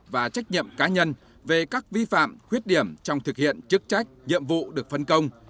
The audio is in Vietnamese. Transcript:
và trách nhiệm cá nhân về các vi phạm khuyết điểm trong thực hiện chức trách nhiệm vụ được phân công